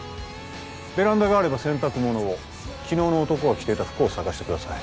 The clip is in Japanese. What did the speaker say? ベランダがあれば洗濯物を昨日の男が着ていた服を探してください